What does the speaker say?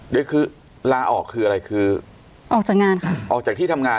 เดี๋ยวคือลาออกคืออะไรคือออกจากงานค่ะออกจากที่ทำงาน